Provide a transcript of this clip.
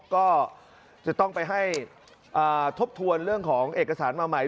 ก็จะต้องไปให้ทบทวนเรื่องของเอกสารมาใหม่